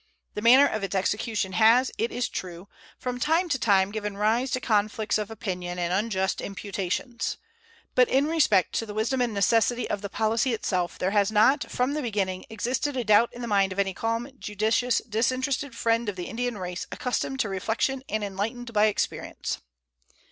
The manner of its execution has, it is true, from time to time given rise to conflicts of opinion and unjust imputations; but in respect to the wisdom and necessity of the policy itself there has not from the beginning existed a doubt in the mind of any calm, judicious, disinterested friend of the Indian race accustomed to reflection and enlightened by experience.